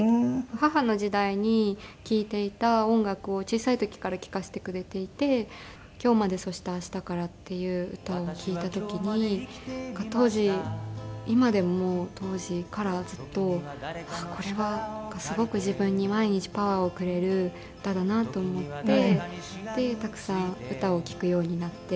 母の時代に聴いていた音楽を小さい時から聴かせてくれていて『今日までそして明日から』っていう歌を聴いた時に当時今でも当時からずっとこれはすごく自分に毎日パワーをくれる歌だなと思ってでたくさん歌を聴くようになって。